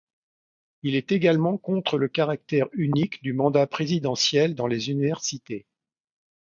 Il est également contre le caractère unique du mandat présidentiel dans les universités.